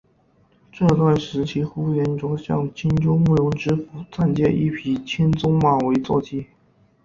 这段时期呼延灼向青州慕容知府暂借一匹青鬃马为坐骑。